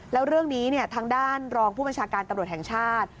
แล้วเรื่องนี้ทางด้านรองผู้บัญชาการตำรวจแห่งชาติ